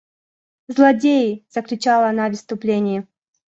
«Злодеи! – закричала она в исступлении.